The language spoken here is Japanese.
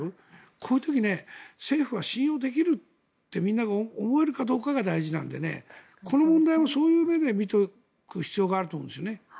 こういう時政府は信用できるってみんなが思えるかどうかが大事なのでこの問題もそういう目で見ておく必要があると思うんですね。